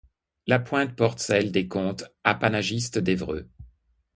La pointe porte celles des comtes apanagistes d'Évreux.